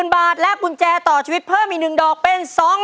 ๐บาทและกุญแจต่อชีวิตเพิ่มอีก๑ดอกเป็น๒๐๐๐